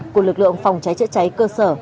của lực lượng phòng trái chữa cháy cơ sở